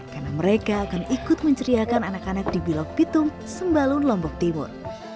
karena mereka akan ikut menceriakan anak anak di bilog pitung sembalun lombok timur